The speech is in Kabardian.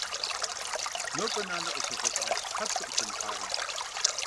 Нобэ нанэ къыщолъэӀуам щхьэ псы къыхуумыхьарэ?